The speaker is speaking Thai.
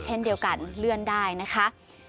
เช่นเดียวกันเลื่อนได้นะคะ